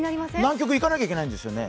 南極、行かなきゃいけないんですよね？